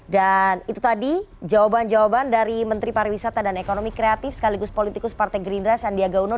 dan itu tadi jawaban jawaban dari menteri pariwisata dan ekonomi kreatif sekaligus politikus partai green rice sandiaga uno